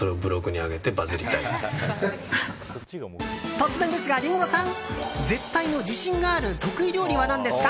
突然ですが、リンゴさん絶対の自信がある得意料理は何ですか？